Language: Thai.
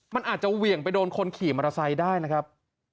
มันอาจจะเหวี่ยงไปโดนคนขี่มอเตอร์ไซค์ได้นะครับ